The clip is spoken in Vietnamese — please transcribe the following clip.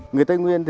người tây nguyên